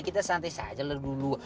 kita santai saja dulu